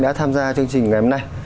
đã tham gia chương trình ngày hôm nay